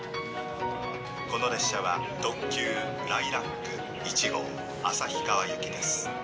「この列車は特急ライラック１号旭川行きです」。